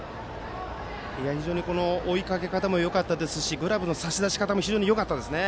非常に追いかけ方もよかったですしグラブの差し出し方も非常によかったですね。